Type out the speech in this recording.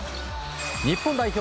日本代表